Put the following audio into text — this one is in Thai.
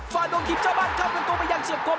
ฝ่าโดนทิพย์เจ้าบ้านเข้าเป็นตัวไปยังเฉียบกลม